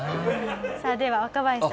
さあでは若林さん